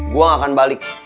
gue gak akan balik